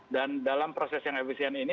dan dalam proses yang efisien ini